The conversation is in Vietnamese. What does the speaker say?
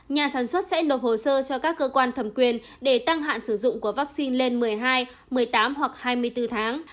nhà sản xuất sẽ nộp hồ sơ cho các cơ quan thẩm quyền để tăng hạn sử dụng của vaccine lên một mươi hai một mươi tám hoặc hai mươi bốn tháng